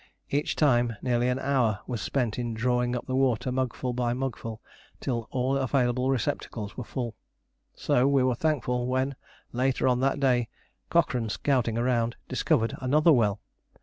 Each time nearly an hour was spent in drawing up water mugful by mugful till all available receptacles were full. So we were thankful when later on that day, Cochrane, scouting around, discovered another well.